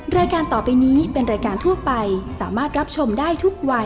รายการต่อไปนี้เป็นรายการทั่วไปสามารถรับชมได้ทุกวัย